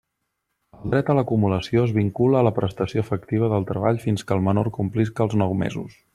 El dret a l'acumulació es vincula a la prestació efectiva del treball fins que el menor complisca els nou mesos.